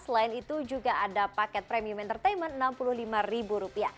selain itu juga ada paket premium entertainment rp enam puluh lima